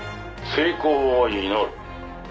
「成功を祈る」